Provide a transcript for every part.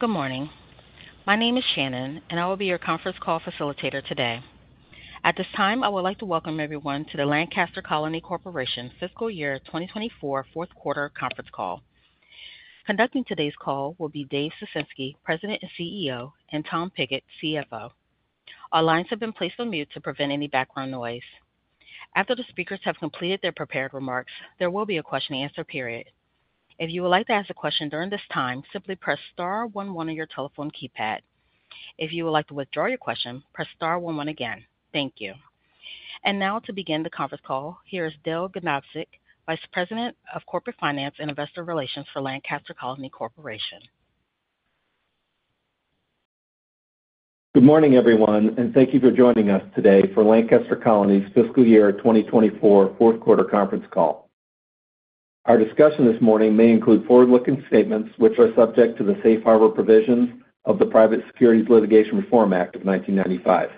Good morning. My name is Shannon, and I will be your conference call facilitator today. At this time, I would like to welcome everyone to the Lancaster Colony Corporation Fiscal Year 2024 Q4 Conference Call. Conducting today's call will be Dave Ciesinski, President and CEO, and Tom Pigott, CFO. All lines have been placed on mute to prevent any background noise. After the speakers have completed their prepared remarks, there will be a question-and-answer period. If you would like to ask a question during this time, simply press star one one on your telephone keypad. If you would like to withdraw your question, press star one one again. Thank you. And now, to begin the conference call, here is Dale Ganobsik, Vice President of Corporate Finance and Investor Relations for Lancaster Colony Corporation. Good morning, everyone, and thank you for joining us today for Lancaster Colony's fiscal year 2024 Q4 Conference Call. Our discussion this morning may include forward-looking statements, which are subject to the safe harbor provisions of the Private Securities Litigation Reform Act of 1995.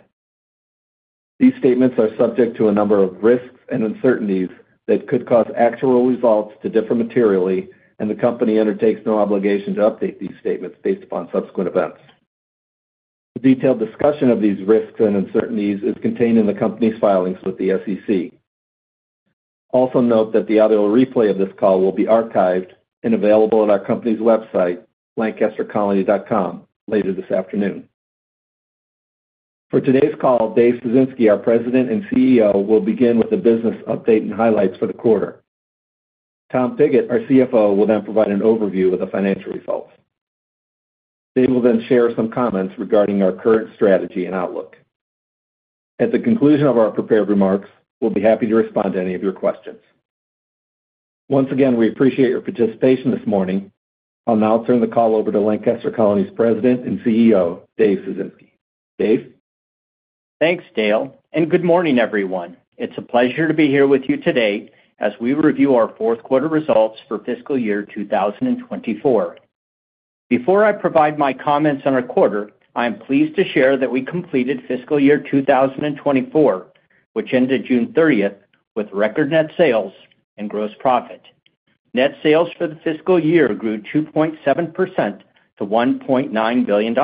These statements are subject to a number of risks and uncertainties that could cause actual results to differ materially, and the Company undertakes no obligation to update these statements based upon subsequent events. A detailed discussion of these risks and uncertainties is contained in the company's filings with the SEC. Also, note that the audio replay of this call will be archived and available on our company's website, lancastercolony.com, later this afternoon. For today's call, Dave Ciesinski, our President and CEO, will begin with a business update and highlights for the quarter. Tom Pigott, our CFO, will then provide an overview of the financial results. Dave will then share some comments regarding our current strategy and outlook. At the conclusion of our prepared remarks, we'll be happy to respond to any of your questions. Once again, we appreciate your participation this morning. I'll now turn the call over to Lancaster Colony's President and CEO, Dave Ciesinski. Dave? Thanks, Dale, and good morning, everyone. It's a pleasure to be here with you today as we review our Q4 results for fiscal year 2024. Before I provide my comments on our quarter, I am pleased to share that we completed fiscal year 2024, which ended June 30th, with record net sales and gross profit. Net sales for the fiscal year grew 2.7% to $1.9 billion.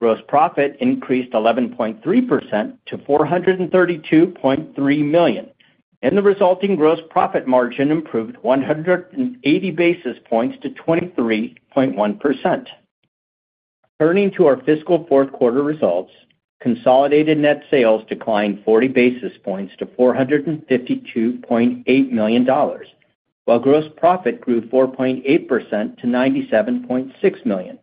Gross profit increased 11.3% to $432.3 million, and the resulting gross profit margin improved 180 basis points to 23.1%. Turning to our fiscal Q4 results, consolidated net sales declined 40 basis points to $452.8 million, while gross profit grew 4.8% to $97.6 million.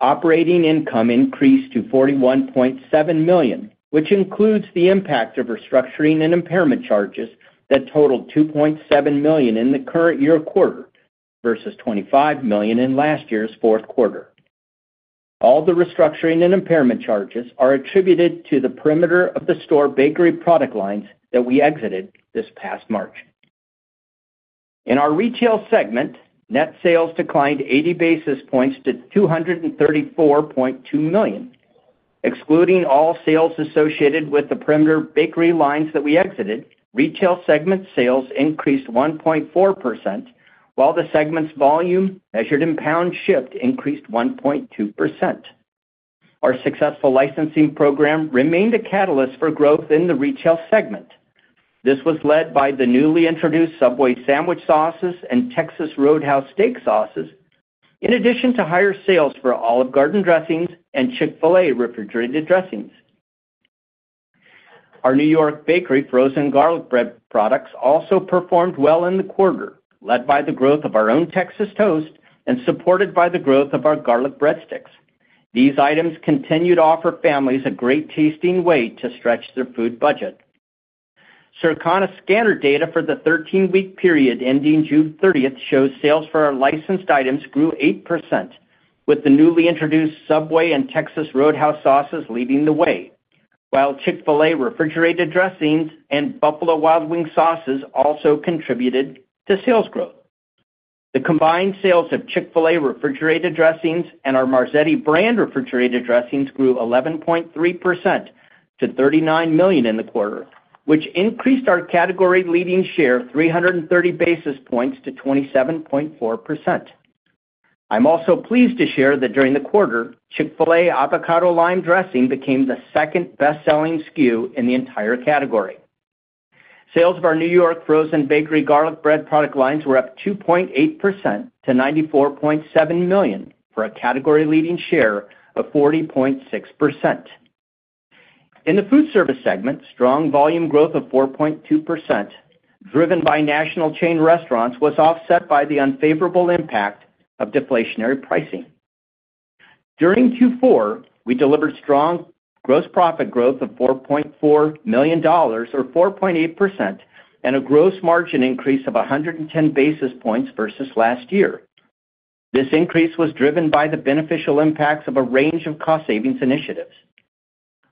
Operating income increased to $41.7 million, which includes the impact of restructuring and impairment charges that totaled $2.7 million in the current year quarter versus $25 million in last year's Q4. All the restructuring and impairment charges are attributed to the perimeter of the store bakery product lines that we exited this past March. In our retail segment, net sales declined 80 basis points to $234.2 million. Excluding all sales associated with the perimeter bakery lines that we exited, retail segment sales increased 1.4%, while the segment's volume, measured in pounds shipped, increased 1.2%. Our successful licensing program remained a catalyst for growth in the retail segment. This was led by the newly introduced Subway sandwich sauces and Texas Roadhouse steak sauces, in addition to higher sales for Olive Garden dressings and Chick-fil-A Refrigerated dressings. Our New York Bakery frozen garlic bread products also performed well in the quarter, led by the growth of our own Texas Toast and supported by the growth of our garlic breadsticks. These items continue to offer families a great-tasting way to stretch their food budget. Circana scanner data for the 13-week period ending 30 June shows sales for our licensed items grew 8%, with the newly introduced Subway and Texas Roadhouse sauces leading the way, while Chick-fil-A Refrigerated dressings and Buffalo Wild Wings sauces also contributed to sales growth. The combined sales of Chick-fil-A refrigerated dressings and our Marzetti brand refrigerated dressings grew 11.3% to $39 million in the quarter, which increased our category-leading share 330 basis points to 27.4%. I'm also pleased to share that during the quarter, Chick-fil-A Avocado Lime dressing became the second best-selling SKU in the entire category. Sales of our New York Bakery frozen garlic bread product lines were up 2.8% to $94.7 million, for a category-leading share of 40.6%. In the food service segment, strong volume growth of 4.2%, driven by national chain restaurants, was offset by the unfavorable impact of deflationary pricing. During Q4, we delivered strong gross profit growth of $4.4 million, or 4.8%, and a gross margin increase of 110 basis points versus last year. This increase was driven by the beneficial impacts of a range of cost savings initiatives.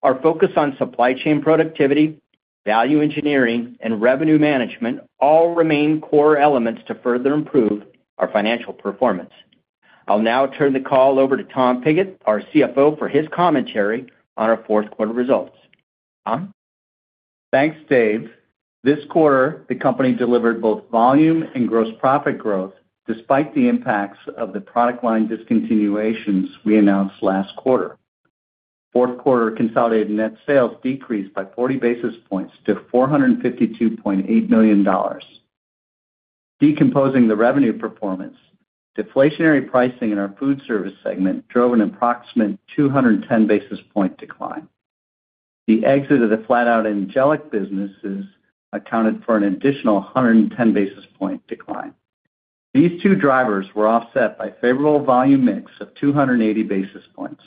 Our focus on supply chain productivity, value engineering, and revenue management all remain core elements to further improve our financial performance. I'll now turn the call over to Tom Pigott, our CFO, for his commentary on our Q4 results. Tom?... Thanks, Dave. This quarter, the company delivered both volume and gross profit growth, despite the impacts of the product line discontinuations we announced last quarter. Q4 consolidated net sales decreased by 40 basis points to $452.8 million. Decomposing the revenue performance, deflationary pricing in our food service segment drove an approximate 210 basis point decline. The exit of the Flatout and Angelic businesses accounted for an additional 110 basis point decline. These two drivers were offset by favorable volume mix of 280 basis points.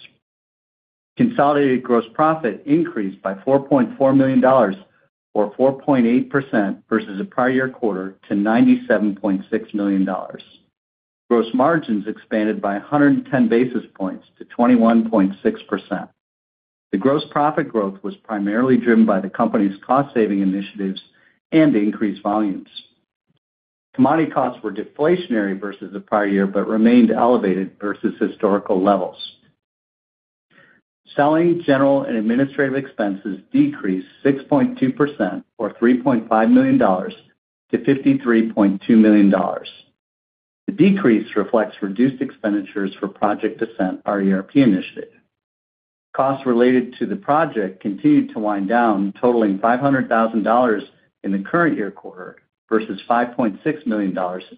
Consolidated gross profit increased by $4.4 million, or 4.8% versus the prior year quarter to $97.6 million. Gross margins expanded by 110 basis points to 21.6%. The gross profit growth was primarily driven by the company's cost-saving initiatives and increased volumes. Commodity costs were deflationary versus the prior year, but remained elevated versus historical levels. Selling general and administrative expenses decreased 6.2% or $3.5 million to $53.2 million. The decrease reflects reduced expenditures for Project Ascent, our ERP initiative. Costs related to the project continued to wind down, totaling $500,000 in the current year quarter versus $5.6 million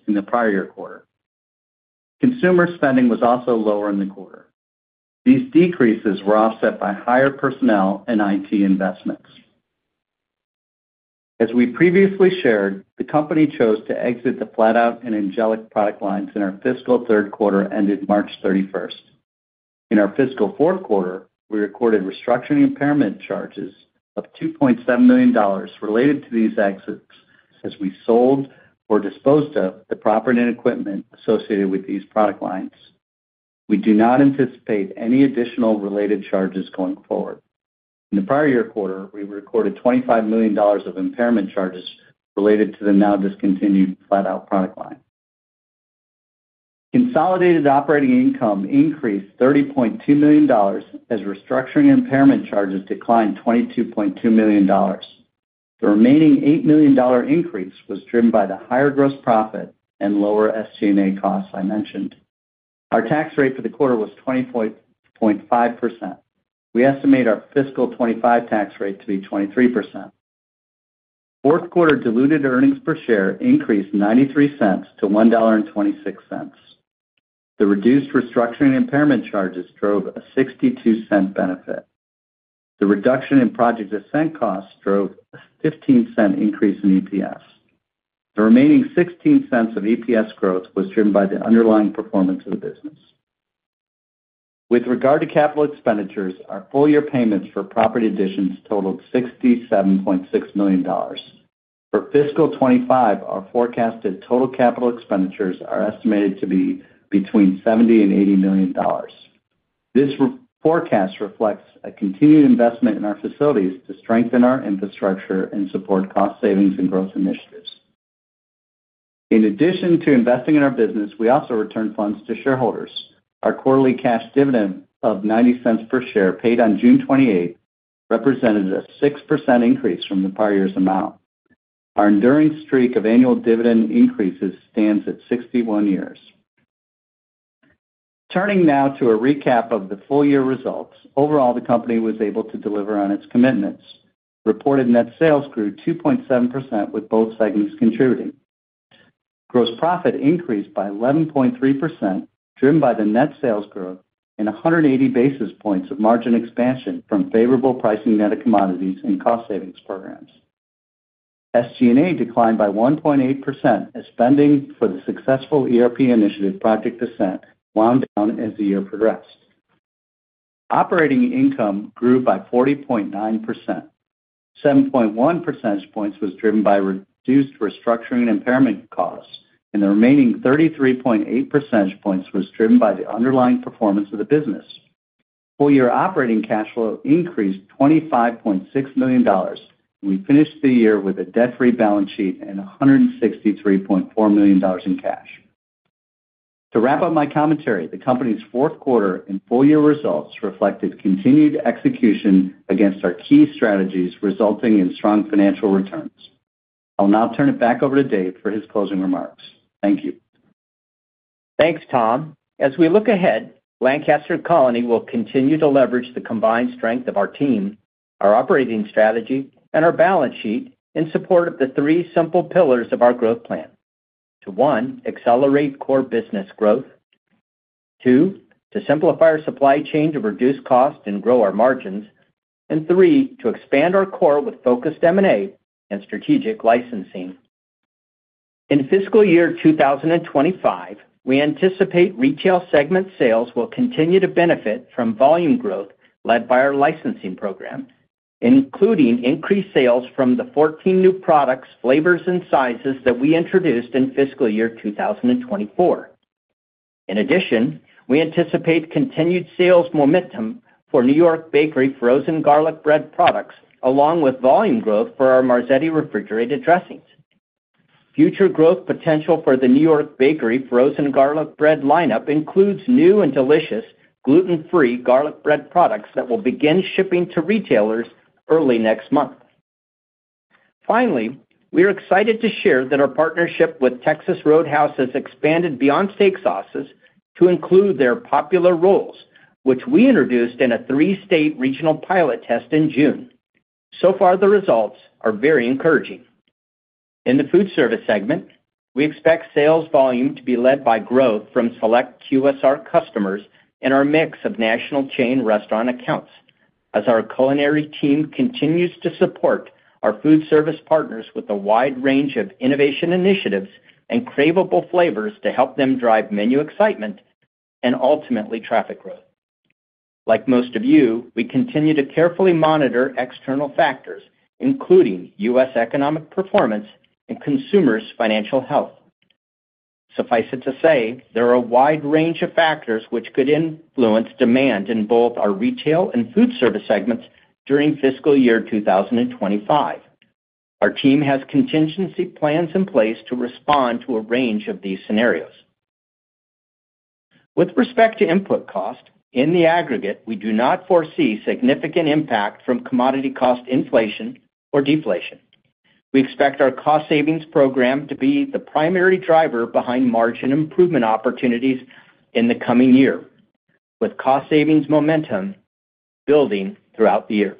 in the prior year quarter. Consumer spending was also lower in the quarter. These decreases were offset by higher personnel and IT investments. As we previously shared, the company chose to exit the Flatout and Angelic product lines in our fiscal Q3 ended 31 March. In our fiscal Q4, we recorded restructuring impairment charges of $2.7 million related to these exits as we sold or disposed of the property and equipment associated with these product lines. We do not anticipate any additional related charges going forward. In the prior year quarter, we recorded $25 million of impairment charges related to the now discontinued Flatout product line. Consolidated operating income increased $30.2 million as restructuring impairment charges declined $22.2 million. The remaining $8 million increase was driven by the higher gross profit and lower SG&A costs I mentioned. Our tax rate for the quarter was 20.5%. We estimate our fiscal 2025 tax rate to be 23%. Q4 diluted earnings per share increased $0.93 to $1.26. The reduced restructuring impairment charges drove a $0.62 benefit. The reduction in Project Ascent costs drove a $0.15 increase in EPS. The remaining 16 cents of EPS growth was driven by the underlying performance of the business. With regard to capital expenditures, our full-year payments for property additions totaled $67.6 million. For fiscal 2025, our forecasted total capital expenditures are estimated to be between $70-$80 million. This forecast reflects a continued investment in our facilities to strengthen our infrastructure and support cost savings and growth initiatives. In addition to investing in our business, we also returned funds to shareholders. Our quarterly cash dividend of $0.90 per share, paid on June 28, represented a 6% increase from the prior year's amount. Our enduring streak of annual dividend increases stands at 61 years. Turning now to a recap of the full-year results. Overall, the company was able to deliver on its commitments. Reported net sales grew 2.7%, with both segments contributing. Gross profit increased by 11.3%, driven by the net sales growth and 100 basis points of margin expansion from favorable pricing net of commodities and cost savings programs. SG&A declined by 1.8% as spending for the successful ERP initiative, Project Ascent, wound down as the year progressed. Operating income grew by 40.9%. 7.1 percentage points was driven by reduced restructuring and impairment costs, and the remaining 33.8 percentage points was driven by the underlying performance of the business. Full year operating cash flow increased $25.6 million. We finished the year with a debt-free balance sheet and $163.4 million in cash. To wrap up my commentary, the company's Q4 and full-year results reflected continued execution against our key strategies, resulting in strong financial returns. I'll now turn it back over to Dave for his closing remarks. Thank you. Thanks, Tom. As we look ahead, Lancaster Colony will continue to leverage the combined strength of our team, our operating strategy, and our balance sheet in support of the three simple pillars of our growth plan. To one, accelerate core business growth. Two, to simplify our supply chain to reduce costs and grow our margins. And three, to expand our core with focused M&A and strategic licensing. In fiscal year 2025, we anticipate retail segment sales will continue to benefit from volume growth led by our licensing program, including increased sales from the 14 new products, flavors, and sizes that we introduced in fiscal year 2024. In addition, we anticipate continued sales momentum for New York Bakery frozen garlic bread products, along with volume growth for our Marzetti refrigerated dressings. Future growth potential for the New York Bakery frozen garlic bread lineup includes new and delicious gluten-free garlic bread products that will begin shipping to retailers early next month. Finally, we are excited to share that our partnership with Texas Roadhouse has expanded beyond steak sauces to include their popular rolls, which we introduced in a three-state regional pilot test in June. So far, the results are very encouraging. In the food service segment, we expect sales volume to be led by growth from select QSR customers and our mix of national chain restaurant accounts. As our culinary team continues to support our food service partners with a wide range of innovation initiatives and craveable flavors to help them drive menu excitement and ultimately, traffic growth. Like most of you, we continue to carefully monitor external factors, including U.S. economic performance and consumers' financial health. Suffice it to say, there are a wide range of factors which could influence demand in both our retail and food service segments during fiscal year 2025. Our team has contingency plans in place to respond to a range of these scenarios. With respect to input cost, in the aggregate, we do not foresee significant impact from commodity cost inflation or deflation. We expect our cost savings program to be the primary driver behind margin improvement opportunities in the coming year, with cost savings momentum building throughout the year.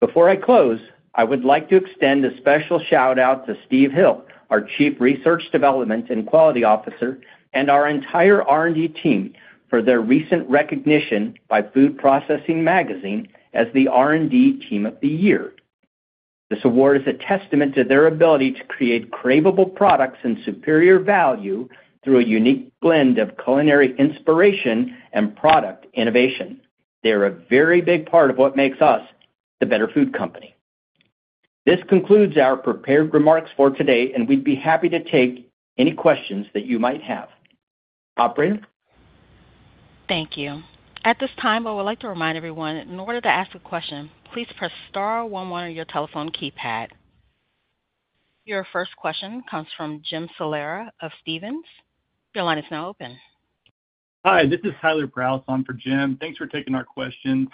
Before I close, I would like to extend a special shout-out to Steve Hill, our Chief Research Development and Quality Officer, and our entire R&D team for their recent recognition by Food Processing Magazine as the R&D Team of the Year. This award is a testament to their ability to create craveable products and superior value through a unique blend of culinary inspiration and product innovation. They're a very big part of what makes us the better food company. This concludes our prepared remarks for today, and we'd be happy to take any questions that you might have. Operator? Thank you. At this time, I would like to remind everyone that in order to ask a question, please press star one one on your telephone keypad. Your first question comes from Jim Salera of Stephens. Your line is now open. Hi, this is Tyler Brousseau for Jim. Thanks for taking our questions.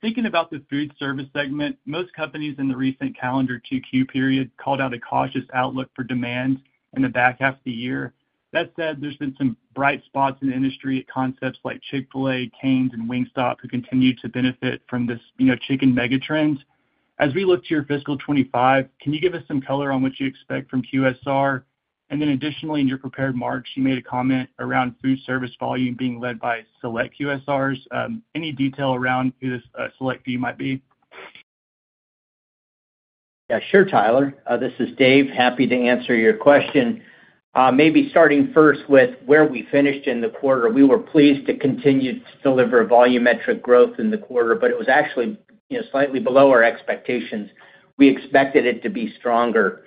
Thinking about the food service segment, most companies in the recent calendar 2Q period called out a cautious outlook for demand in the back half of the year. That said, there's been some bright spots in the industry at concepts like Chick-fil-A, Cane's and Wingstop, who continue to benefit from this, you know, chicken mega trends. As we look to your fiscal 2025, can you give us some color on what you expect from QSR? And then additionally, in your prepared remarks, you made a comment around food service volume being led by select QSRs. Any detail around who this select few might be? Yeah, sure, Tyler. This is Dave. Happy to answer your question. Maybe starting first with where we finished in the quarter. We were pleased to continue to deliver volumetric growth in the quarter, but it was actually, you know, slightly below our expectations. We expected it to be stronger.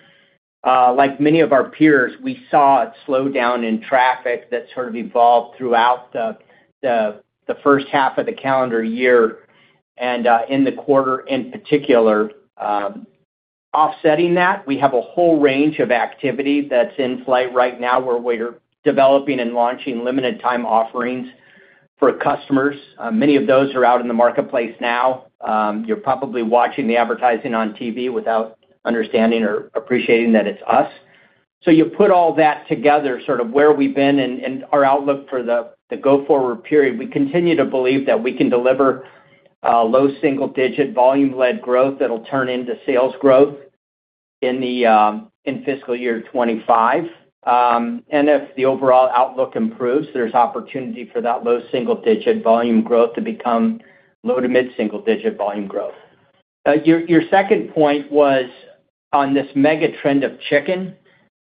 Like many of our peers, we saw a slowdown in traffic that sort of evolved throughout the first half of the calendar year and in the quarter in particular. Offsetting that, we have a whole range of activity that's in flight right now, where we're developing and launching limited time offerings for customers. Many of those are out in the marketplace now. You're probably watching the advertising on TV without understanding or appreciating that it's us. So you put all that together, sort of where we've been and our outlook for the go forward period, we continue to believe that we can deliver low single digit volume-led growth that'll turn into sales growth in the in fiscal year 2025. And if the overall outlook improves, there's opportunity for that low single digit volume growth to become low to mid-single digit volume growth. Your second point was on this mega trend of chicken.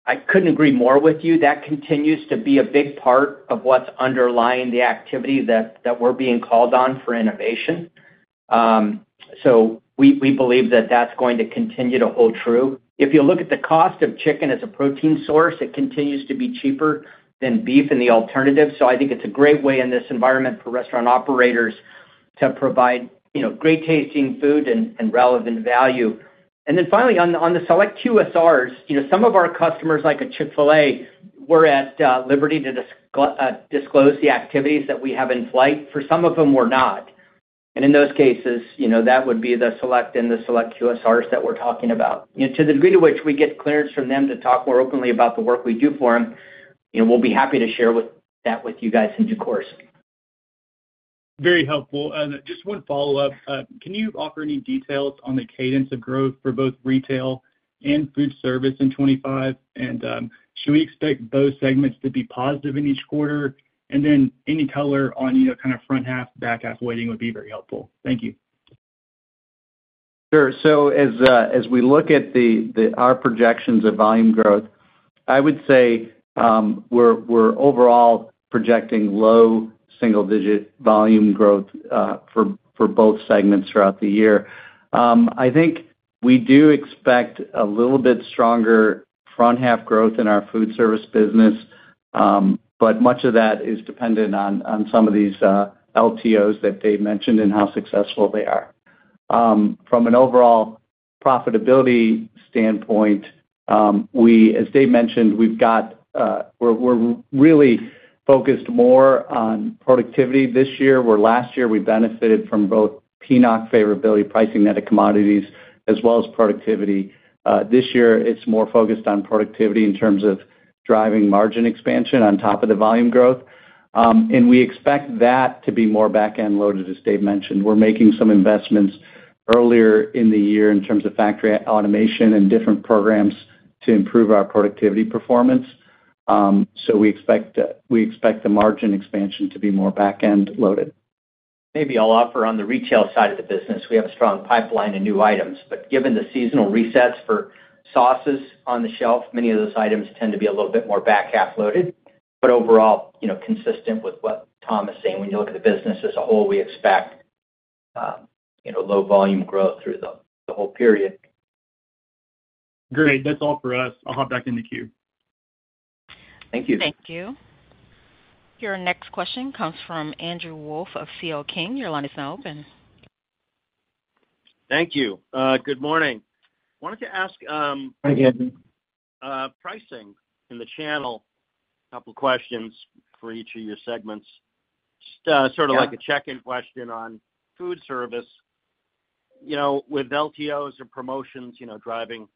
I couldn't agree more with you. That continues to be a big part of what's underlying the activity that we're being called on for innovation. So we believe that that's going to continue to hold true. If you look at the cost of chicken as a protein source, it continues to be cheaper than beef and the alternatives. So I think it's a great way in this environment for restaurant operators to provide, you know, great tasting food and relevant value. And then finally, on the select QSRs, you know, some of our customers, like a Chick-fil-A, we're at liberty to disclose the activities that we have in flight. For some of them, we're not. And in those cases, you know, that would be the select and the select QSRs that we're talking about. You know, to the degree to which we get clearance from them to talk more openly about the work we do for them, you know, we'll be happy to share that with you guys in due course. Very helpful. And just one follow-up. Can you offer any details on the cadence of growth for both retail and food service in 2025? And, should we expect both segments to be positive in each quarter? And then any color on, you know, kind of front half, back half weighting would be very helpful. Thank you. Sure. So as we look at our projections of volume growth, I would say, we're overall projecting low single digit volume growth for both segments throughout the year. I think we do expect a little bit stronger front half growth in our food service business, but much of that is dependent on some of these LTOs that Dave mentioned and how successful they are.... From an overall profitability standpoint, as Dave mentioned, we've got, we're really focused more on productivity this year, where last year, we benefited from both PNOC favorability pricing net of commodities as well as productivity. This year, it's more focused on productivity in terms of driving margin expansion on top of the volume growth. And we expect that to be more back-end loaded, as Dave mentioned. We're making some investments earlier in the year in terms of factory automation and different programs to improve our productivity performance. So we expect the margin expansion to be more back-end loaded. Maybe I'll offer on the retail side of the business, we have a strong pipeline and new items. But given the seasonal resets for sauces on the shelf, many of those items tend to be a little bit more back-half loaded. But overall, you know, consistent with what Tom is saying, when you look at the business as a whole, we expect, you know, low volume growth through the whole period. Great. That's all for us. I'll hop back in the queue. Thank you. Thank you. Your next question comes from Andrew Wolf of CL King. Your line is now open. Thank you. Good morning. Wanted to ask, Hi, Andrew. Pricing in the channel, a couple of questions for each of your segments. Sort of like a check-in question on food service. You know, with LTOs and promotions, you know, driving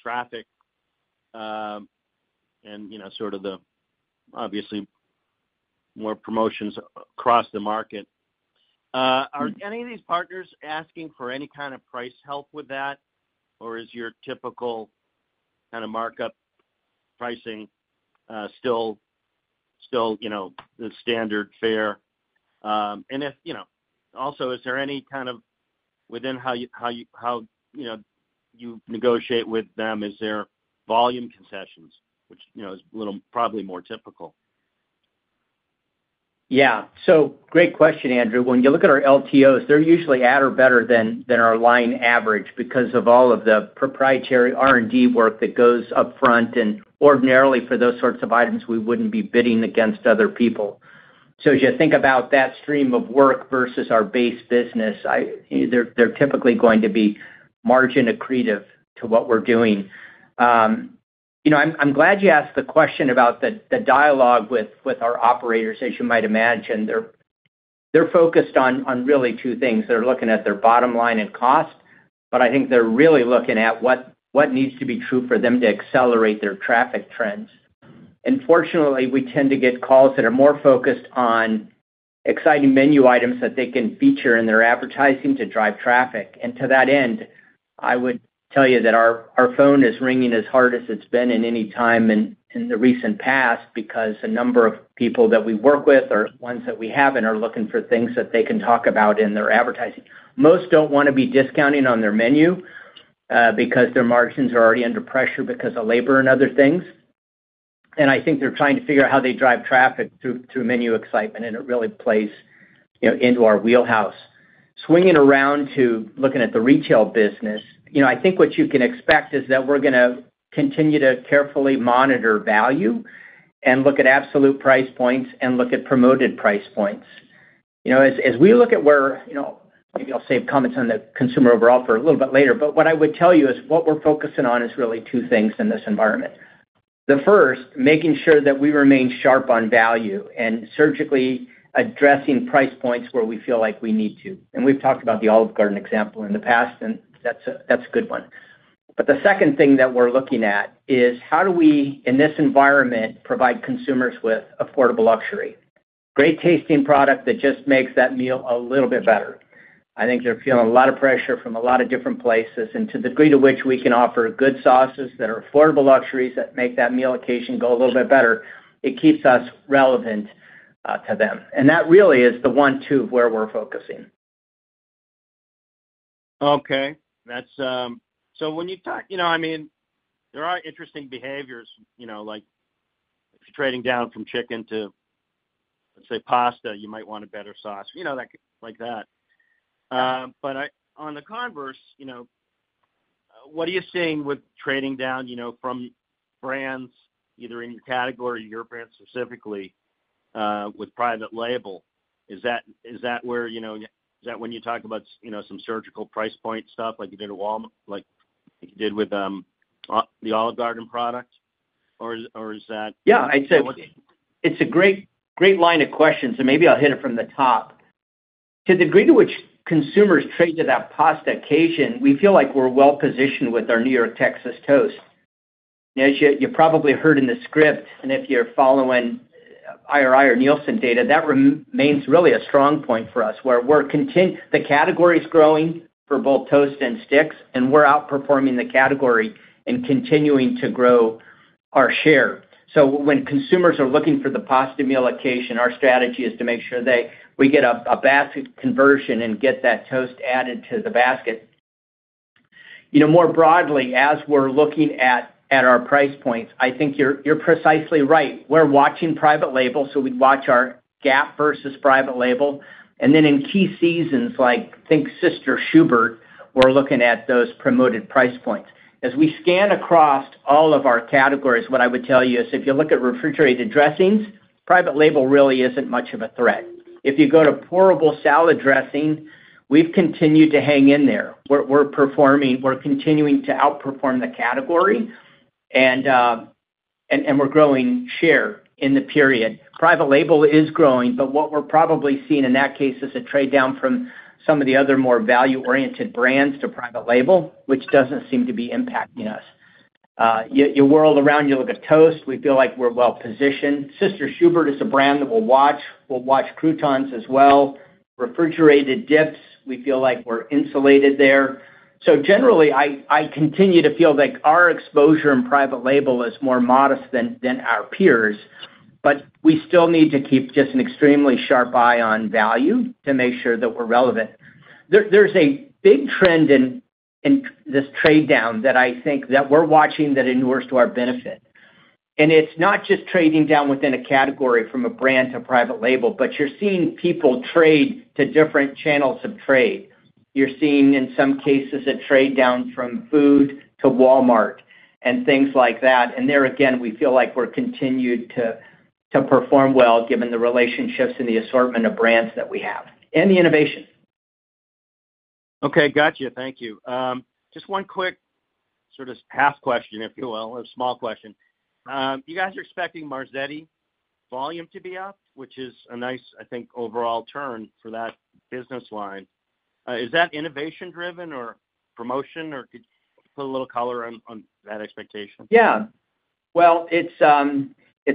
traffic, and, you know, obviously, more promotions across the market, are any of these partners asking for any kind of price help with that? Or is your typical kind of markup pricing, still, you know, the standard fare? And if, you know, also, is there any kind of within how you, you know, you negotiate with them, is there volume concessions, which, you know, is a little, probably more typical? Yeah. So great question, Andrew. When you look at our LTOs, they're usually at or better than our line average because of all of the proprietary R&D work that goes upfront, and ordinarily, for those sorts of items, we wouldn't be bidding against other people. So as you think about that stream of work versus our base business, they're typically going to be margin accretive to what we're doing. You know, I'm glad you asked the question about the dialogue with our operators. As you might imagine, they're focused on really two things. They're looking at their bottom line and cost, but I think they're really looking at what needs to be true for them to accelerate their traffic trends. Fortunately, we tend to get calls that are more focused on exciting menu items that they can feature in their advertising to drive traffic. To that end, I would tell you that our phone is ringing as hard as it's been in any time in the recent past because a number of people that we work with are ones that we have and are looking for things that they can talk about in their advertising. Most don't wanna be discounting on their menu because their margins are already under pressure because of labor and other things. I think they're trying to figure out how they drive traffic through menu excitement, and it really plays, you know, into our wheelhouse. Swinging around to looking at the retail business, you know, I think what you can expect is that we're gonna continue to carefully monitor value and look at absolute price points and look at promoted price points. You know, as we look at where, you know, maybe I'll save comments on the consumer overall for a little bit later, but what I would tell you is what we're focusing on is really two things in this environment. The first, making sure that we remain sharp on value and surgically addressing price points where we feel like we need to. And we've talked about the Olive Garden example in the past, and that's a good one. But the second thing that we're looking at is how do we, in this environment, provide consumers with affordable luxury. Great-tasting product that just makes that meal a little bit better. I think they're feeling a lot of pressure from a lot of different places, and to the degree to which we can offer good sauces that are affordable luxuries that make that meal occasion go a little bit better, it keeps us relevant, to them. And that really is the one, two, where we're focusing. Okay. That's... So when you talk, you know, I mean, there are interesting behaviors, you know, like if you're trading down from chicken to, let's say, pasta, you might want a better sauce, you know, like that. But on the converse, you know, what are you seeing with trading down, you know, from brands, either in your category or your brand specifically, with private label? Is that where, you know, is that when you talk about, you know, some surgical price point stuff like you did with Walmart, like you did with the Olive Garden product, or is that- Yeah, I'd say it's a great, great line of questions, so maybe I'll hit it from the top. To the degree to which consumers trade to that pasta occasion, we feel like we're well positioned with our New York Bakery Texas Toast. As you probably heard in the script, and if you're following IRI or Nielsen data, that remains really a strong point for us, where the category is growing for both toast and sticks, and we're outperforming the category and continuing to grow our share, so when consumers are looking for the pasta meal occasion, our strategy is to make sure that we get a basket conversion and get that toast added to the basket. You know, more broadly, as we're looking at our price points, I think you're precisely right. We're watching private label, so we watch our gap versus private label. And then in key seasons, like think Sister Schubert's, we're looking at those promoted price points. As we scan across all of our categories, what I would tell you is, if you look at refrigerated dressings, private label really isn't much of a threat. If you go to pourable salad dressing, we've continued to hang in there. We're performing. We're continuing to outperform the category, and we're growing share in the period. Private label is growing, but what we're probably seeing in that case is a trade down from some of the other more value-oriented brands to private label, which doesn't seem to be impacting us. You whirl around, you look at toast, we feel like we're well positioned. Sister Schubert's is a brand that we'll watch. We'll watch croutons as well. Refrigerated dips, we feel like we're insulated there. So generally, I continue to feel like our exposure in private label is more modest than our peers, but we still need to keep just an extremely sharp eye on value to make sure that we're relevant. There's a big trend in this trade down that I think that we're watching that inures to our benefit. And it's not just trading down within a category from a brand to private label, but you're seeing people trade to different channels of trade. You're seeing, in some cases, a trade down from food to Walmart and things like that. And there, again, we feel like we're continued to perform well, given the relationships and the assortment of brands that we have and the innovation. Okay, gotcha. Thank you. Just one quick sort of half question, if you will, a small question. You guys are expecting Marzetti volume to be up, which is a nice, I think, overall turn for that business line. Is that innovation driven or promotion, or could you put a little color on that expectation? Yeah. Well, it's a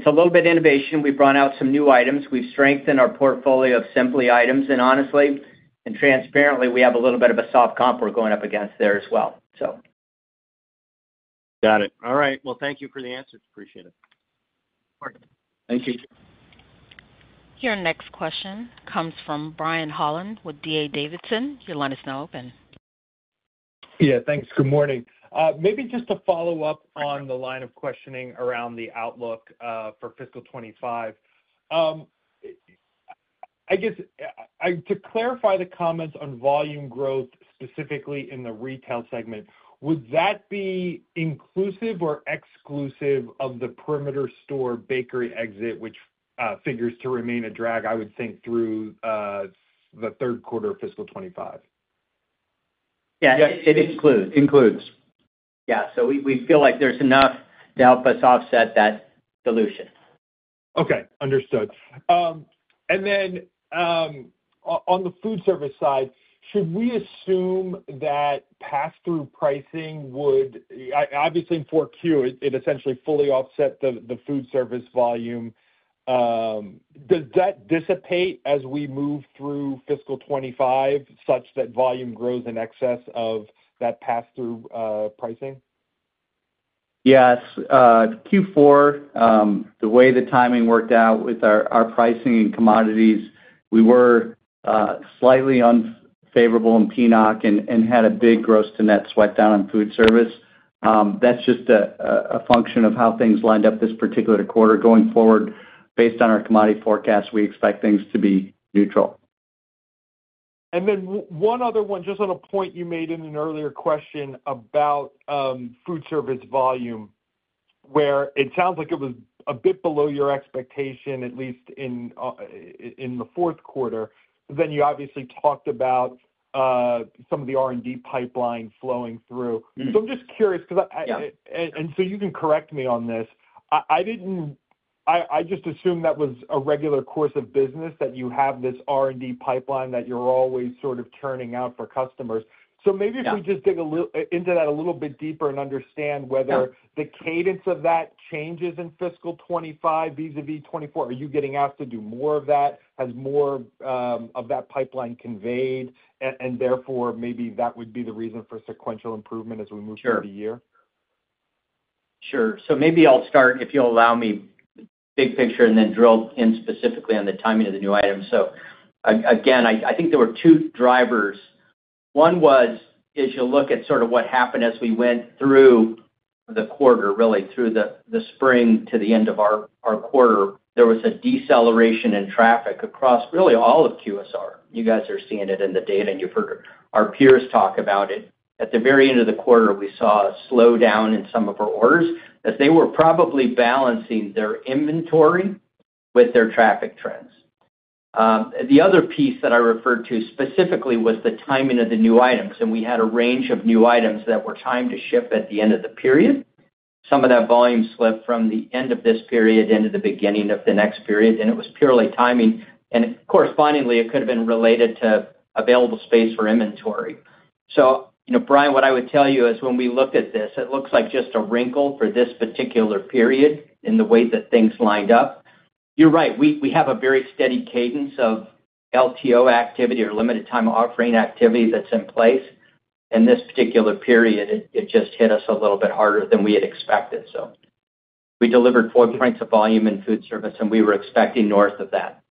little bit innovation. We've brought out some new items. We've strengthened our portfolio of Simply items, and honestly, and transparently, we have a little bit of a soft comp we're going up against there as well, so. Got it. All right. Well, thank you for the answers. Appreciate it. Thank you. Your next question comes from Brian Holland with D.A. Davidson. Your line is now open. Yeah, thanks. Good morning. Maybe just to follow up on the line of questioning around the outlook for fiscal 2025. I guess to clarify the comments on volume growth, specifically in the retail segment, would that be inclusive or exclusive of the perimeter store bakery exit, which figures to remain a drag, I would think, through the Q3 of fiscal 2025? Yeah, it includes. Includes. Yeah, so we feel like there's enough to help us offset that dilution. Okay, understood. And then, on the food service side, should we assume that pass-through pricing would... Obviously, in Q4, it essentially fully offset the food service volume. Does that dissipate as we move through fiscal 2025, such that volume grows in excess of that pass-through pricing? Yes. Q4, the way the timing worked out with our pricing and commodities, we were slightly unfavorable in PNOC and had a big gross-to-net sweat down in food service. That's just a function of how things lined up this particular quarter. Going forward, based on our commodity forecast, we expect things to be neutral. And then one other one, just on a point you made in an earlier question about food service volume, where it sounds like it was a bit below your expectation, at least in the Q4. Then you obviously talked about some of the R&D pipeline flowing through. Mm-hmm. So I'm just curious because I- Yeah. And so you can correct me on this. I didn't. I just assumed that was a regular course of business, that you have this R&D pipeline that you're always sort of churning out for customers. Yeah. So maybe if we just dig a little into that a little bit deeper and understand whether Sure the cadence of that changes in fiscal 2025 vis-a-vis 2024. Are you getting asked to do more of that? Has more of that pipeline conveyed, and therefore, maybe that would be the reason for sequential improvement as we move through the year? Sure. So maybe I'll start, if you'll allow me, big picture and then drill in specifically on the timing of the new items. So again, I think there were two drivers. One was, as you look at sort of what happened as we went through the quarter, really through the spring to the end of our quarter, there was a deceleration in traffic across really all of QSR. You guys are seeing it in the data, and you've heard our peers talk about it. At the very end of the quarter, we saw a slowdown in some of our orders, as they were probably balancing their inventory with their traffic trends. The other piece that I referred to specifically was the timing of the new items, and we had a range of new items that were timed to ship at the end of the period. Some of that volume slipped from the end of this period into the beginning of the next period, and it was purely timing. And correspondingly, it could have been related to available space for inventory. So you know, Brian, what I would tell you is when we look at this, it looks like just a wrinkle for this particular period in the way that things lined up. You're right, we have a very steady cadence of LTO activity or limited time offering activity that's in place. In this particular period, it just hit us a little bit harder than we had expected. So we delivered four points of volume in food service, and we were expecting north of that.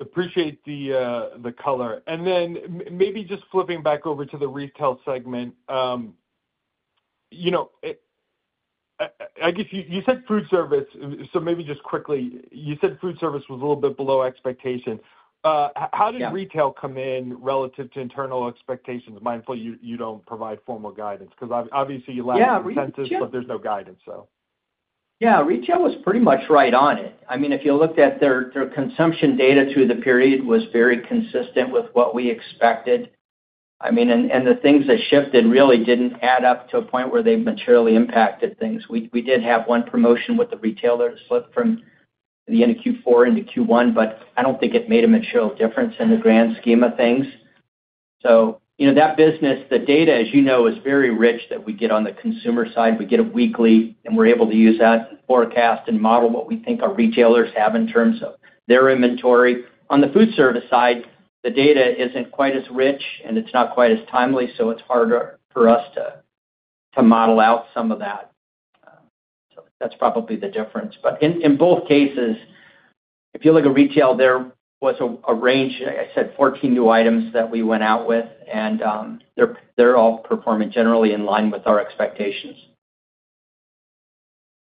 Appreciate the color, and then maybe just flipping back over to the retail segment. You know, I guess you said food service, so maybe just quickly, you said food service was a little bit below expectations. Yeah. How did retail come in relative to internal expectations? Mindful you, you don't provide formal guidance, because obviously, you lack consensus- Yeah, we... but there's no guidance, so.... Yeah, retail was pretty much right on it. I mean, if you looked at their consumption data through the period, it was very consistent with what we expected. I mean, the things that shifted really didn't add up to a point where they materially impacted things. We did have one promotion with the retailer that slipped from the end of Q4 into Q1, but I don't think it made a material difference in the grand scheme of things. You know, that business, the data, as you know, is very rich that we get on the consumer side. We get it weekly, and we're able to use that to forecast and model what we think our retailers have in terms of their inventory. On the food service side, the data isn't quite as rich, and it's not quite as timely, so it's harder for us to model out some of that. So that's probably the difference. But in both cases, if you look at retail, there was a range. I said 14 new items that we went out with, and they're all performing generally in line with our expectations.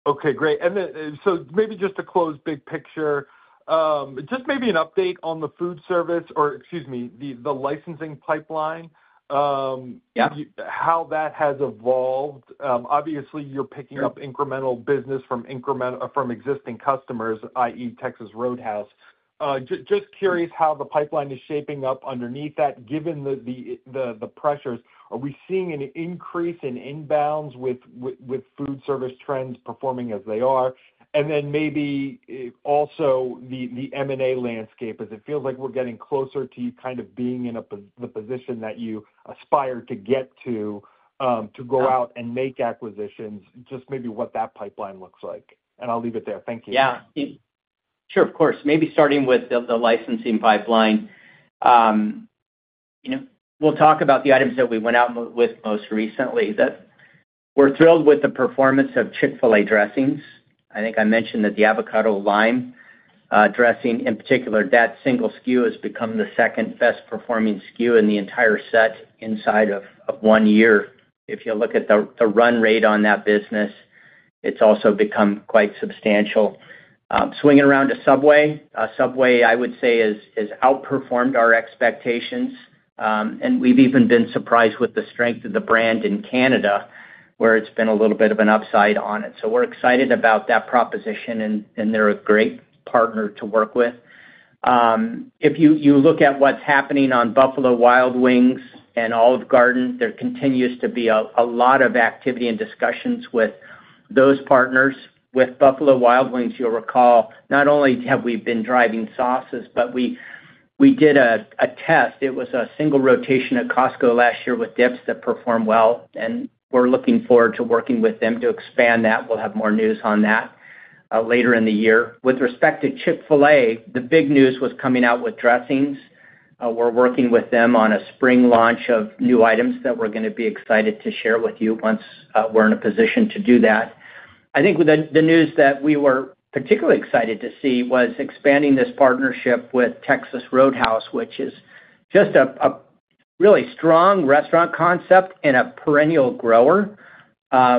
Okay, great. And then, so maybe just to close big picture, just maybe an update on the food service, or excuse me, the licensing pipeline. Yeah. How that has evolved. Obviously, you're picking up incremental business from existing customers, i.e., Texas Roadhouse. Just curious how the pipeline is shaping up underneath that, given the pressures. Are we seeing an increase in inbounds with food service trends performing as they are? And then maybe, also, the M&A landscape, as it feels like we're getting closer to you kind of being in the position that you aspire to get to, to go out and make acquisitions, just maybe what that pipeline looks like. And I'll leave it there. Thank you. Yeah. Sure, of course. Maybe starting with the licensing pipeline. You know, we'll talk about the items that we went out with most recently, that we're thrilled with the performance of Chick-fil-A dressings. I think I mentioned that the avocado lime dressing, in particular, that single SKU has become the second best performing SKU in the entire set inside of one year. If you look at the run rate on that business, it's also become quite substantial. Swinging around to Subway. Subway, I would say, has outperformed our expectations, and we've even been surprised with the strength of the brand in Canada, where it's been a little bit of an upside on it. So we're excited about that proposition, and they're a great partner to work with. If you look at what's happening on Buffalo Wild Wings and Olive Garden, there continues to be a lot of activity and discussions with those partners. With Buffalo Wild Wings, you'll recall, not only have we been driving sauces, but we did a test. It was a single rotation at Costco last year with dips that performed well, and we're looking forward to working with them to expand that. We'll have more news on that later in the year. With respect to Chick-fil-A, the big news was coming out with dressings. We're working with them on a spring launch of new items that we're gonna be excited to share with you once we're in a position to do that. I think the news that we were particularly excited to see was expanding this partnership with Texas Roadhouse, which is just a really strong restaurant concept and a perennial grower.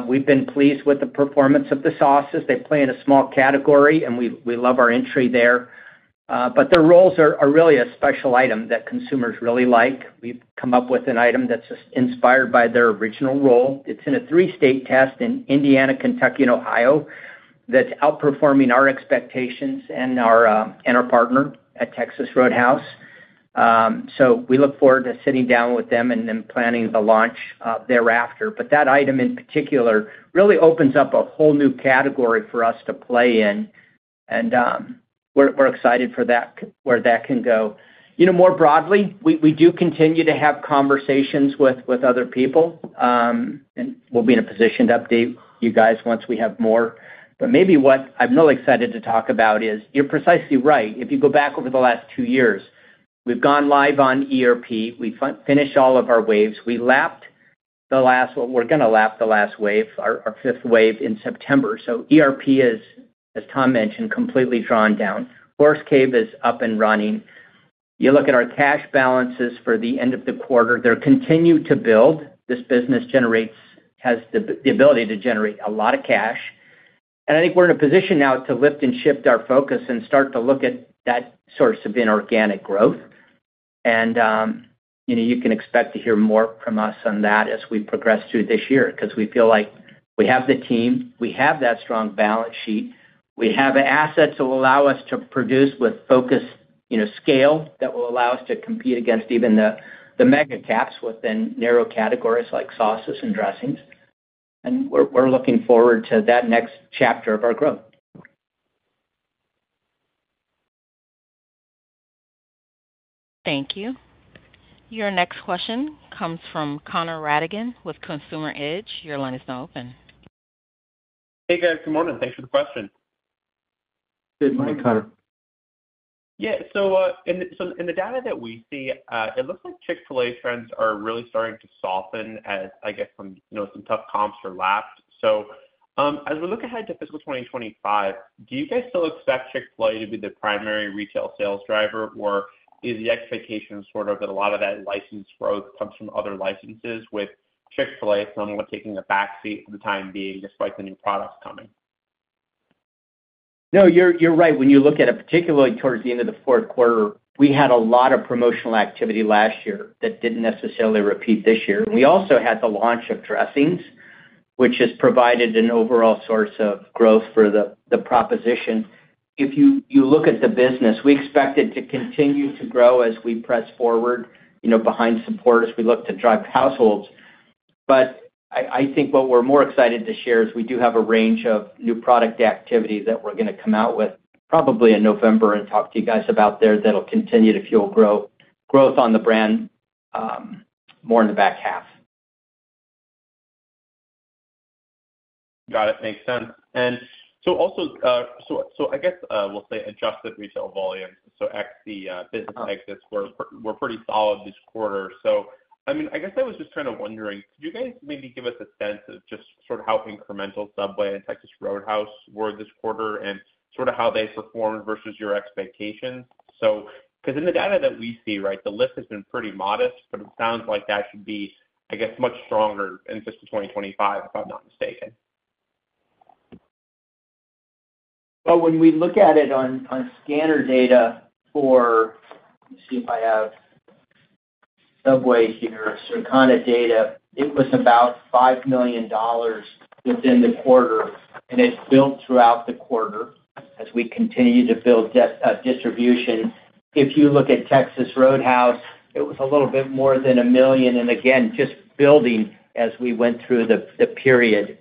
We've been pleased with the performance of the sauces. They play in a small category, and we love our entry there. But their rolls are really a special item that consumers really like. We've come up with an item that's inspired by their original roll. It's in a three-state test in Indiana, Kentucky, and Ohio, that's outperforming our expectations and our partner at Texas Roadhouse. So we look forward to sitting down with them and then planning the launch thereafter. But that item, in particular, really opens up a whole new category for us to play in, and we're excited for that, where that can go. You know, more broadly, we do continue to have conversations with other people, and we'll be in a position to update you guys once we have more. But maybe what I'm really excited to talk about is, you're precisely right. If you go back over the last two years, we've gone live on ERP. We've finished all of our waves. We lapped the last. Well, we're gonna lap the last wave, our fifth wave, in September. So ERP is, as Tom mentioned, completely drawn down. Horse Cave is up and running. You look at our cash balances for the end of the quarter, they're continued to build. This business generates has the ability to generate a lot of cash. And I think we're in a position now to lift and shift our focus and start to look at that source of inorganic growth. You know, you can expect to hear more from us on that as we progress through this year because we feel like we have the team, we have that strong balance sheet, we have the assets that will allow us to produce with focus, you know, scale, that will allow us to compete against even the mega caps within narrow categories like sauces and dressings. We're looking forward to that next chapter of our growth. Thank you. Your next question comes from Connor Rattigan with Consumer Edge. Your line is now open. Hey, guys. Good morning. Thanks for the question. Good morning, Connor. Yeah. So, in the data that we see, it looks like Chick-fil-A trends are really starting to soften as, I guess, some, you know, some tough comps are lapsed. So, as we look ahead to fiscal 2025, do you guys still expect Chick-fil-A to be the primary retail sales driver, or is the expectation sort of that a lot of that license growth comes from other licenses, with Chick-fil-A somewhat taking a back seat for the time being, despite the new products coming? ... No, you're, you're right. When you look at it, particularly towards the end of the Q4, we had a lot of promotional activity last year that didn't necessarily repeat this year. We also had the launch of dressings, which has provided an overall source of growth for the proposition. If you look at the business, we expect it to continue to grow as we press forward, you know, behind support as we look to drive households. But I think what we're more excited to share is we do have a range of new product activities that we're gonna come out with, probably in November and talk to you guys about there, that'll continue to fuel growth on the brand, more in the back half. Got it, makes sense. And so also, so I guess we'll say adjusted retail volumes, so ex the business exits were pretty solid this quarter. So, I mean, I guess I was just kind of wondering, could you guys maybe give us a sense of just sort of how incremental Subway and Texas Roadhouse were this quarter and sort of how they performed versus your expectations? So, because in the data that we see, right, the lift has been pretty modest, but it sounds like that should be, I guess, much stronger in fiscal 2025, if I'm not mistaken. When we look at it on scanner data for, let me see if I have Subway here, Circana data, it was about $5 million within the quarter, and it's built throughout the quarter as we continue to build distribution. If you look at Texas Roadhouse, it was a little bit more than $1 million, and again, just building as we went through the period.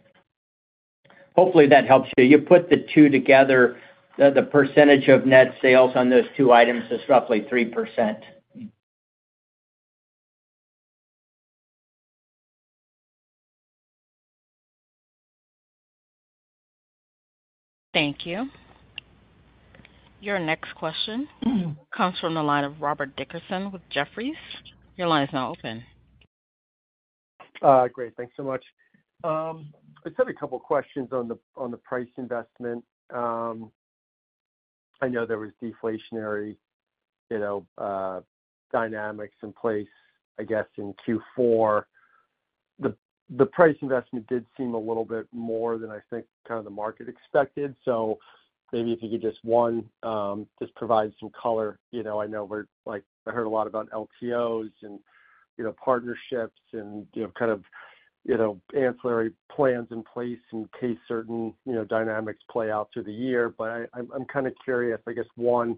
Hopefully, that helps you. You put the two together, the percentage of net sales on those two items is roughly 3%. Thank you. Your next question comes from the line of Robert Dickerson with Jefferies. Your line is now open. Great. Thanks so much. I just had a couple of questions on the price investment. I know there was deflationary, you know, dynamics in place, I guess, in Q4. The price investment did seem a little bit more than I think kind of the market expected. So maybe if you could just, one, just provide some color. You know, I know we're like, I heard a lot about LTOs and, you know, partnerships and, you know, kind of, you know, ancillary plans in place in case certain, you know, dynamics play out through the year. I'm kind of curious, I guess. One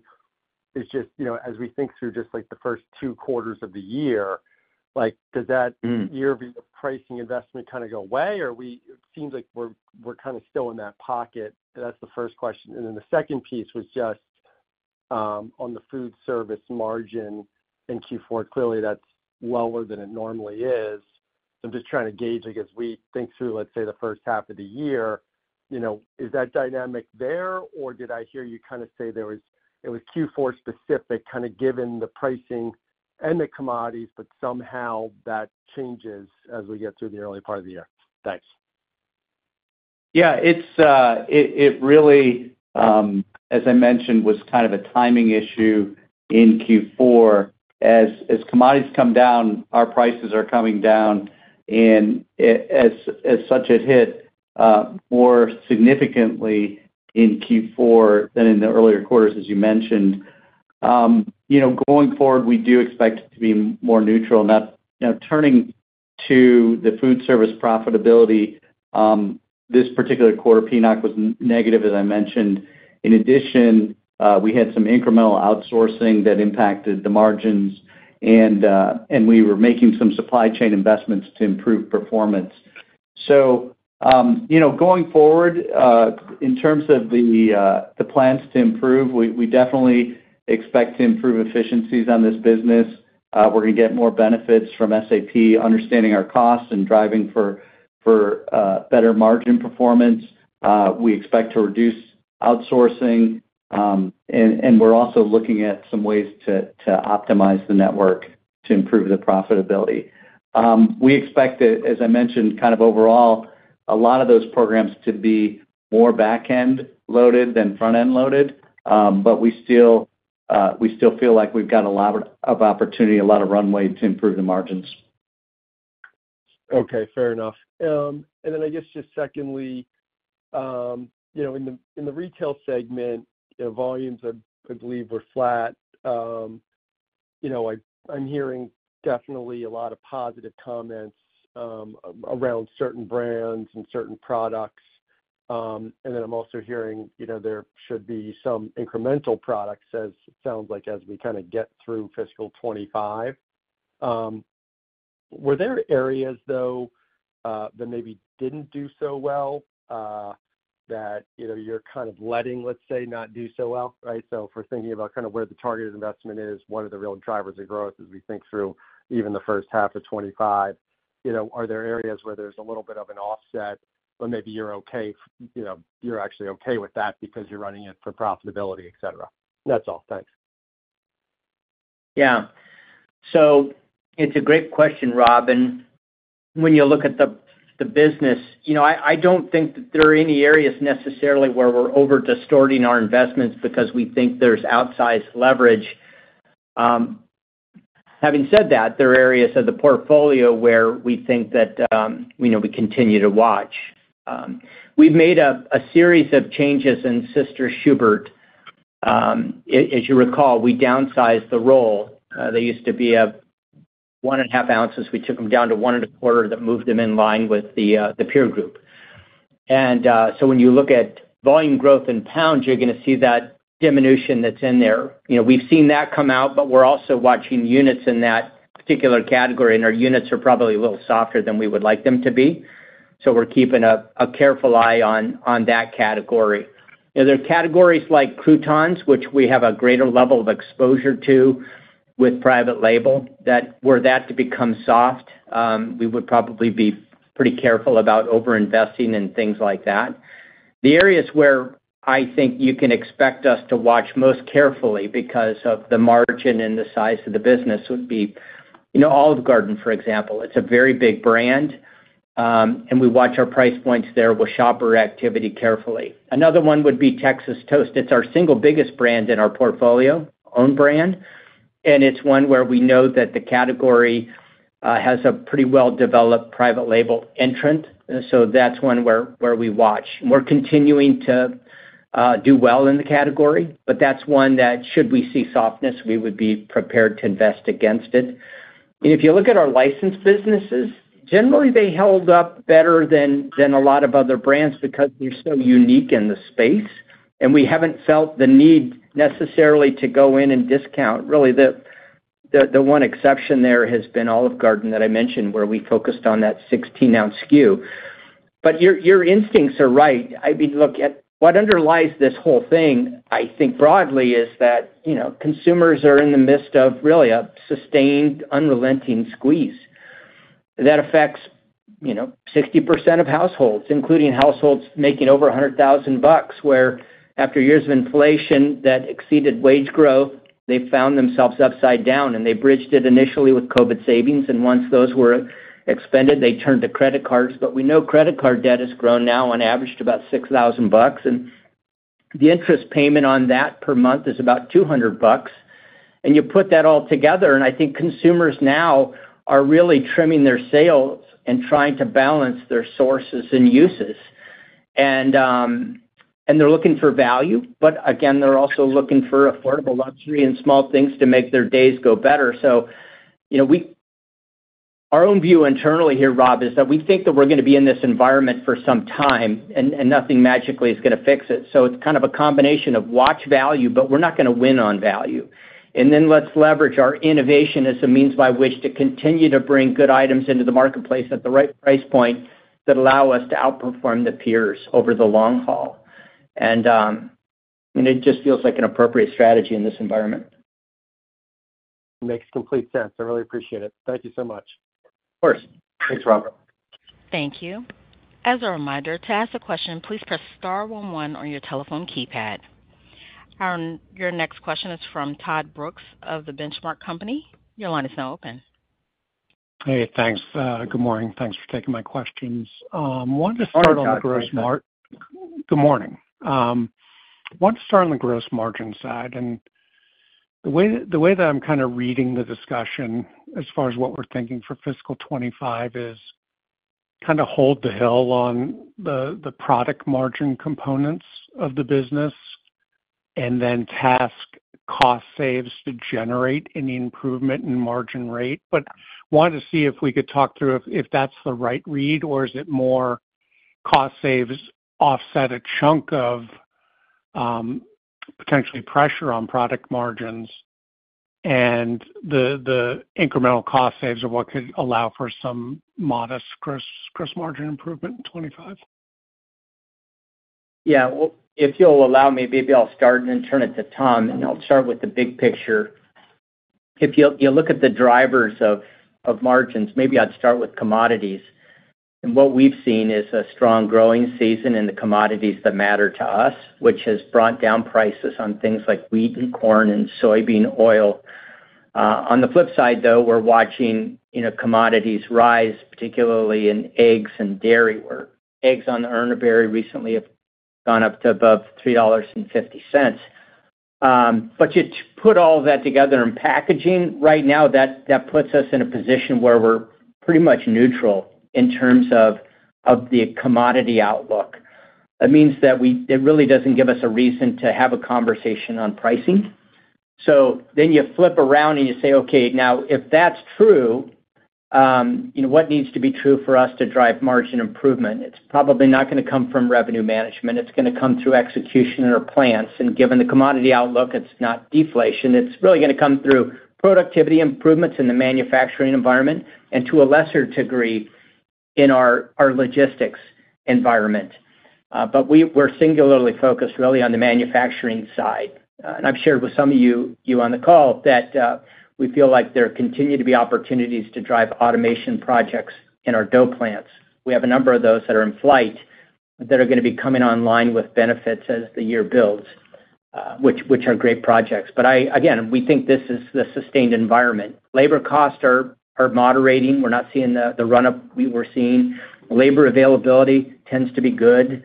is just, you know, as we think through just, like, the first two quarters of the year, like, does that year of pricing investment kind of go away, or it seems like we're kind of still in that pocket. That's the first question. And then the second piece was just on the food service margin in Q4. Clearly, that's lower than it normally is. I'm just trying to gauge, I guess, as we think through, let's say, the first half of the year, you know, is that dynamic there, or did I hear you kind of say it was Q4 specific, kind of given the pricing and the commodities, but somehow that changes as we get through the early part of the year? Thanks. Yeah, it's, it really, as I mentioned, was kind of a timing issue in Q4. As commodities come down, our prices are coming down, and as such, it hit more significantly in Q4 than in the earlier quarters, as you mentioned. You know, going forward, we do expect it to be more neutral. Now, turning to the food service profitability, this particular quarter, PNOC, was negative, as I mentioned. In addition, we had some incremental outsourcing that impacted the margins, and we were making some supply chain investments to improve performance. So, you know, going forward, in terms of the plans to improve, we definitely expect to improve efficiencies on this business. We're gonna get more benefits from SAP, understanding our costs and driving for better margin performance. We expect to reduce outsourcing, and we're also looking at some ways to optimize the network to improve the profitability. We expect that, as I mentioned, kind of overall, a lot of those programs to be more back-end loaded than front-end loaded. But we still feel like we've got a lot of opportunity, a lot of runway to improve the margins. Okay, fair enough. And then I guess just secondly, you know, in the retail segment, the volumes, I believe, were flat. You know, I'm hearing definitely a lot of positive comments around certain brands and certain products. And then I'm also hearing, you know, there should be some incremental products as, it sounds like, as we kind of get through fiscal 2025. Were there areas, though, that maybe didn't do so well, that you know, you're kind of letting, let's say, not do so well, right? So if we're thinking about kind of where the targeted investment is, what are the real drivers of growth as we think through even the first half of 2025, you know, are there areas where there's a little bit of an offset, but maybe you're okay, you know, you're actually okay with that because you're running it for profitability, et cetera? That's all. Thanks. Yeah. So it's a great question, Rob, and when you look at the business, you know, I don't think that there are any areas necessarily where we're over-distorting our investments because we think there's outsized leverage. Having said that, there are areas of the portfolio where we think that, you know, we continue to watch. We've made a series of changes in Sister Schubert's. As you recall, we downsized the roll. They used to be one and a half ounces. We took them down to one and a quarter. That moved them in line with the peer group. And so when you look at volume growth in pounds, you're going to see that diminution that's in there. You know, we've seen that come out, but we're also watching units in that particular category, and our units are probably a little softer than we would like them to be. So we're keeping a careful eye on that category. There are categories like croutons, which we have a greater level of exposure to with private label, that were that to become soft, we would probably be pretty careful about over-investing in things like that. The areas where I think you can expect us to watch most carefully because of the margin and the size of the business would be, you know, Olive Garden, for example. It's a very big brand, and we watch our price points there with shopper activity carefully. Another one would be Texas Toast. It's our single biggest brand in our portfolio, own brand, and it's one where we know that the category has a pretty well-developed private label entrant, so that's one where we watch. We're continuing to do well in the category, but that's one that should we see softness, we would be prepared to invest against it. And if you look at our licensed businesses, generally, they held up better than a lot of other brands because they're so unique in the space, and we haven't felt the need necessarily to go in and discount. Really, the one exception there has been Olive Garden that I mentioned, where we focused on that 16-ounce SKU. But your instincts are right. I mean, look, at what underlies this whole thing, I think broadly, is that, you know, consumers are in the midst of really a sustained, unrelenting squeeze. That affects, you know, 60% of households, including households making over $100,000, where after years of inflation that exceeded wage growth, they found themselves upside down, and they bridged it initially with COVID savings, and once those were expended, they turned to credit cards. But we know credit card debt has grown now on average to about $6,000, and the interest payment on that per month is about $200. And you put that all together, and I think consumers now are really trimming their sails and trying to balance their sources and uses. They're looking for value, but again, they're also looking for affordable luxury and small things to make their days go better. So you know, we. Our own view internally here, Rob, is that we think that we're gonna be in this environment for some time, and nothing magically is gonna fix it. So it's kind of a combination of watch value, but we're not gonna win on value. And it just feels like an appropriate strategy in this environment. Makes complete sense. I really appreciate it. Thank you so much. Of course. Thanks, Rob. Thank you. As a reminder, to ask a question, please press star one one on your telephone keypad. Your next question is from Todd Brooks of The Benchmark Company. Your line is now open. Hey, thanks. Good morning. Thanks for taking my questions. Wanted to start on the gross marg- Morning, Todd. Good morning. Wanted to start on the gross margin side, and the way that I'm kind of reading the discussion as far as what we're thinking for fiscal 2025 is kind of hold the line on the product margin components of the business and then cost savings to generate any improvement in margin rate. But wanted to see if we could talk through if that's the right read, or is it more cost savings offset a chunk of potential pressure on product margins and the incremental cost savings are what could allow for some modest gross margin improvement in 2025? Yeah. Well, if you'll allow me, maybe I'll start and then turn it to Tom, and I'll start with the big picture. If you look at the drivers of margins, maybe I'd start with commodities. What we've seen is a strong growing season in the commodities that matter to us, which has brought down prices on things like wheat and corn and soybean oil. On the flip side, though, we're watching commodities rise, particularly in eggs and dairy, where eggs on the Urner Barry very recently have gone up to above $3.50. But to put all that together in packaging right now, that puts us in a position where we're pretty much neutral in terms of the commodity outlook. That means that we-- it really doesn't give us a reason to have a conversation on pricing. So then you flip around and you say, okay, now, if that's true, you know, what needs to be true for us to drive margin improvement? It's probably not gonna come from revenue management. It's gonna come through execution in our plants, and given the commodity outlook, it's not deflation. It's really gonna come through productivity improvements in the manufacturing environment and, to a lesser degree, in our logistics environment. But we're singularly focused really on the manufacturing side. And I've shared with some of you on the call that we feel like there continue to be opportunities to drive automation projects in our dough plants. We have a number of those that are in flight that are gonna be coming online with benefits as the year builds, which are great projects. But again, we think this is the sustained environment. Labor costs are moderating. We're not seeing the run-up we were seeing. Labor availability tends to be good...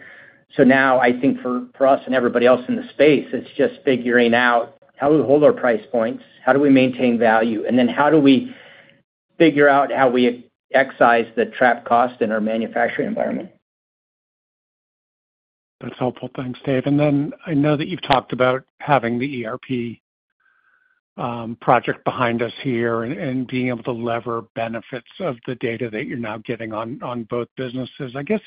So now I think for us and everybody else in the space, it's just figuring out how do we hold our price points, how do we maintain value, and then how do we figure out how we excise the trapped cost in our manufacturing environment? That's helpful. Thanks, Dave. And then I know that you've talked about having the ERP project behind us here and being able to leverage benefits of the data that you're now getting on both businesses. I guess,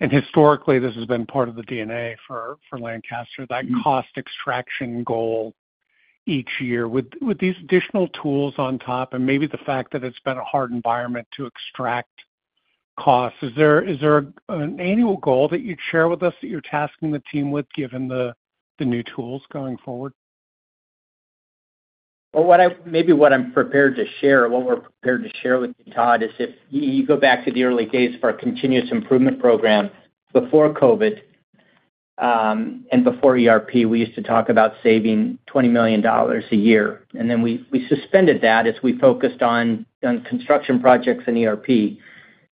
and historically, this has been part of the DNA for Lancaster, that cost extraction goal each year. With these additional tools on top and maybe the fact that it's been a hard environment to extract costs, is there an annual goal that you'd share with us, that you're tasking the team with, given the new tools going forward? What I've maybe what I'm prepared to share or what we're prepared to share with you, Todd, is if you go back to the early days of our continuous improvement program before COVID and before ERP, we used to talk about saving $20 million a year. And then we suspended that as we focused on construction projects and ERP,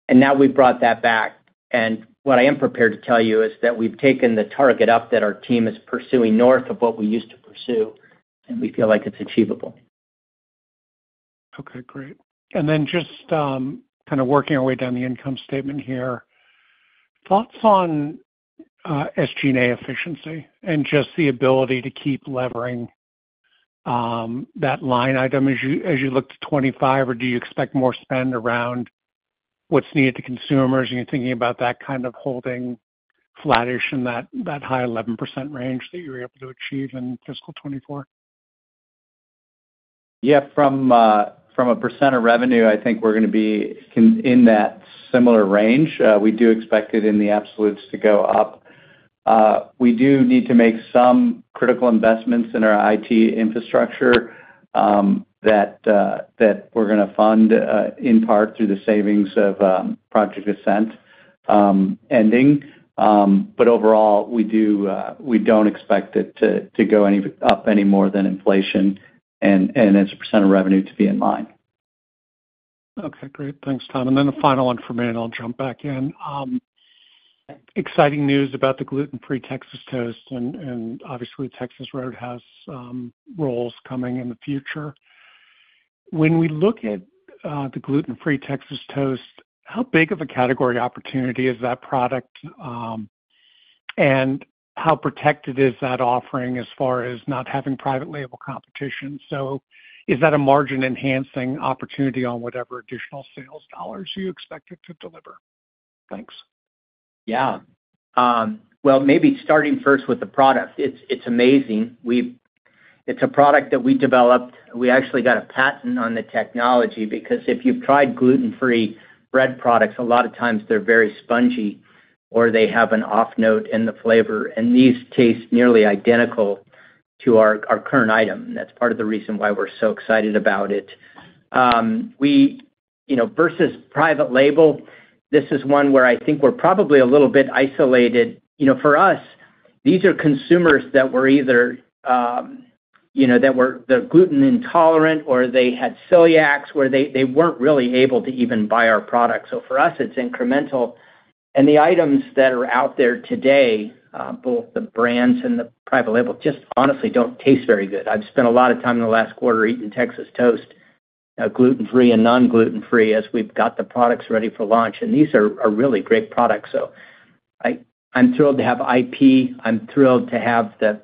and now we've brought that back. And what I am prepared to tell you is that we've taken the target up, that our team is pursuing north of what we used to pursue, and we feel like it's achievable. Okay, great. And then just kind of working our way down the income statement here. Thoughts on SG&A efficiency and just the ability to keep levering that line item as you as you look to 2025, or do you expect more spend around what's needed to consumers? Are you thinking about that kind of holding flattish in that high 11% range that you were able to achieve in fiscal 2024? Yeah, from a % of revenue, I think we're gonna be in that similar range. We do expect it in the absolutes to go up. We do need to make some critical investments in our IT infrastructure that we're gonna fund in part through the savings of Project Ascent ending. But overall, we do, we don't expect it to go up any more than inflation, and as a % of revenue to be in line. Okay, great. Thanks, Tom. And then the final one from me, and I'll jump back in. Exciting news about the gluten-free Texas Toast, and obviously, Texas Roadhouse has rolls coming in the future. When we look at the gluten-free Texas Toast, how big of a category opportunity is that product? And how protected is that offering as far as not having private label competition? So is that a margin-enhancing opportunity on whatever additional sales dollars you expect it to deliver? Thanks. Yeah, well, maybe starting first with the product. It's amazing. It's a product that we developed. We actually got a patent on the technology, because if you've tried gluten-free bread products, a lot of times they're very spongy, or they have an off note in the flavor, and these taste nearly identical to our current item. That's part of the reason why we're so excited about it. We, you know, versus private label, this is one where I think we're probably a little bit isolated. You know, for us, these are consumers that were either, you know, they're gluten intolerant, or they had celiacs, where they weren't really able to even buy our product. So for us, it's incremental, and the items that are out there today, both the brands and the private label, just honestly don't taste very good. I've spent a lot of time in the last quarter eating Texas Toast, gluten-free and non-gluten free, as we've got the products ready for launch, and these are really great products. So I'm thrilled to have IP. I'm thrilled to have the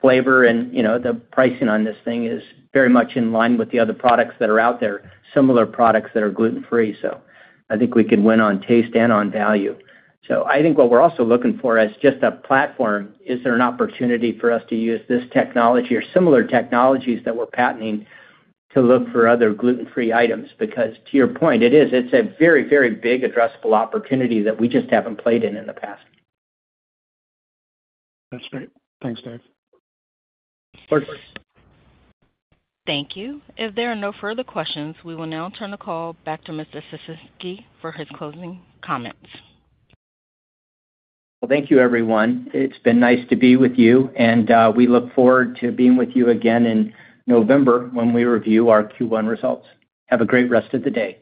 flavor, and, you know, the pricing on this thing is very much in line with the other products that are out there, similar products that are gluten-free. So I think we can win on taste and on value. So I think what we're also looking for, as just a platform, is there an opportunity for us to use this technology or similar technologies that we're patenting to look for other gluten-free items? Because to your point, it's a very, very big addressable opportunity that we just haven't played in in the past. That's great. Thanks, Dave. Operator? Thank you. If there are no further questions, we will now turn the call back to Mr. Ciesinski for his closing comments. Thank you, everyone. It's been nice to be with you, and we look forward to being with you again in November, when we review our Q1 results. Have a great rest of the day.